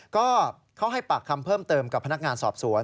ก็เขาให้ปากคำเพิ่มเติมกับพนักงานสอบสวน